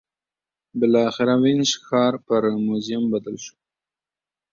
بالاخره وینز ښار پر موزیم بدل شو